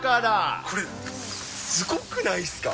これ、すごくないっすか。